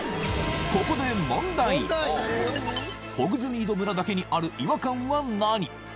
ここでホグズミード村だけにある違和感は何？